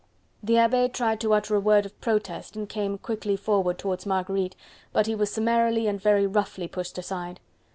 The Abbe tried to utter a word of protest and came quickly forward towards Marguerite, but he was summarily and very roughly pushed aside.